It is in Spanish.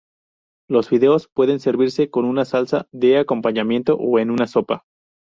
Los fideos pueden servirse con una salsa de acompañamiento o en una sopa.